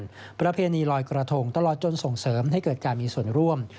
เป็นประเพณีลอยกระทงตลอดจนส่งเสริมให้เกิดการมีส่วนร่วม